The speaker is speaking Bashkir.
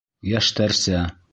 Йәштәрсә!